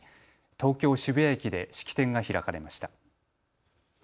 東京渋谷駅で式典が開かれました。